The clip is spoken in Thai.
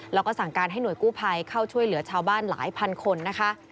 แล้วก็สั่งการให้หน่วยกู้ภัยเข้าช่วยเหลือชาวบ้านหลายพันคนนะคะ